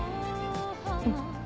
うん。